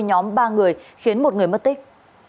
nhóm ba người khiến một người mất tích